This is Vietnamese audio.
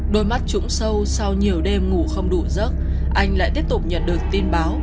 đôi mắt trũng sâu sau nhiều đêm ngủ không đủ giấc anh lại tiếp tục nhận được tin báo